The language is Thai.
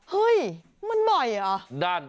เฮ้ยมันบ่อยเหรอ